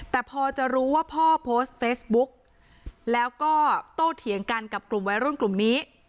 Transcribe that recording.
แต่พอจะรู้ว่าพ่อโพสต์เฟซบุ๊กแล้วก็โตเถียงกันกับกลุ่มวัยรุ่นกลุ่มนี้